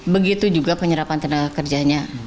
begitu juga penyerapan tenaga kerjanya